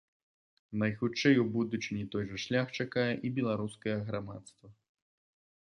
Найхутчэй у будучыні той жа шлях чакае і беларускае грамадства.